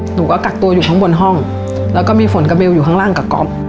หนูก็กักตัวอยู่ข้างบนห้องแล้วก็มีฝนกับเบลอยู่ข้างล่างกับก๊อฟ